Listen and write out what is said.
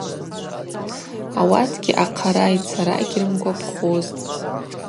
Ауатгьи ахъара йцара гьрымгвапхузтӏ.